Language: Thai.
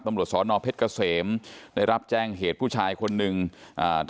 ตำรวจสอนอเพชรเกษมได้รับแจ้งเหตุผู้ชายคนหนึ่งอ่า